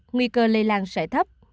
nguy cơ lây lan sẽ thấp